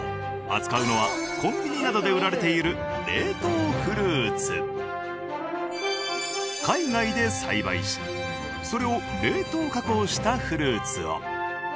扱うのはコンビニなどで売られている海外で栽培しそれを冷凍加工したフルーツを。